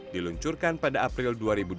diluncurkan pada april dua ribu dua puluh